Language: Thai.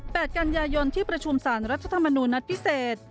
๘กัญญายนฝ่ายที่ประชุมสารรัฐธรรมนุนัทพิเศษ